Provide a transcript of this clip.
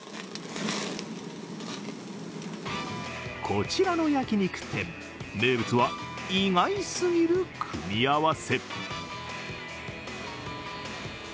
こちらの焼き肉店名物は意外すぎる組み合わせ。